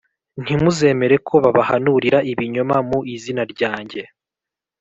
Ntimuzemere ko babahanurira ibinyoma mu izina ryanjye